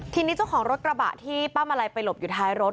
ทีนี้เจ้าของรถกระบะที่ป้ามาลัยไปหลบอยู่ท้ายรถ